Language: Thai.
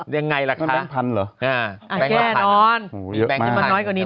ยังไงล่ะคะมันแบงค์พันธุ์เหรออ่าแก้นอนมีแบงค์พันธุ์มาน้อยกว่านี้